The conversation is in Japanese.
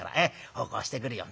奉公してくるよ」。